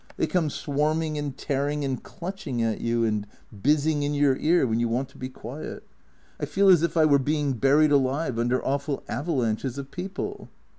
They come swarming and tearing and clutching at you, and bizzing in your ear when you want to be quiet. I feel as if I were being buried alive under awful avalanches of people."